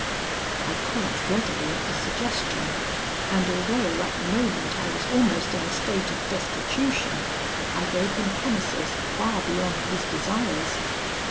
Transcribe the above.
"I caught readily at the suggestion, and, although at the moment I was almost in a state of destitution, I gave him promises far beyond his desires.